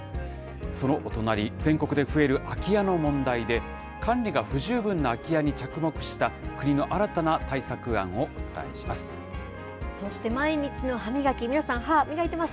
そのお隣、全国で増える空き家の問題で、管理が不十分な空き家に着目した国の新たな対策案をお伝えします。